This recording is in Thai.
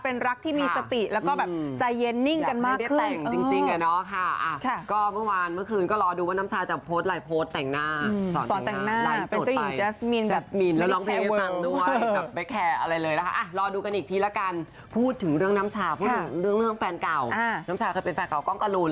เรื่องแฟนเก่าน้องชาวเคยเป็นแฟนเก่าก้องกระหลุน